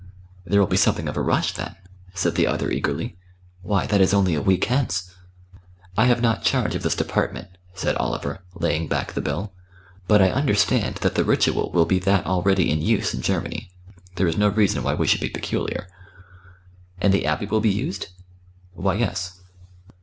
"There will be something of a rush then," said the other eagerly. "Why, that is only a week hence." "I have not charge of this department," said Oliver, laying back the Bill. "But I understand that the ritual will be that already in use in Germany. There is no reason why we should be peculiar." "And the Abbey will be used?" "Why, yes."